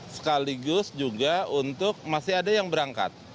sekaligus juga untuk masih ada yang berangkat